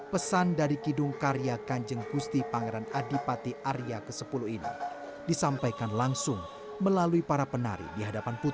pesan dari kidung karya kanjeng gusti pangeran adipati arya ke sepuluh ini disampaikan langsung melalui para penari di hadapan putri